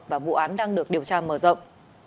và vụ án đang được điều tra mở rộng